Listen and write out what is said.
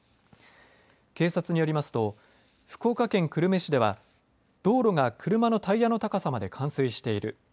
警察によりますと福岡県久留米市では道路が車のタイヤの高さまで冠水している。